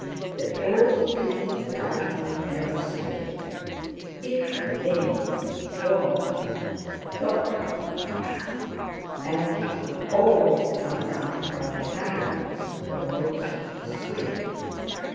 The old tree's variety never staled; it had mainmast, foremast, top gallant mast, and he could always come down by the halyards—or ropes of the swing.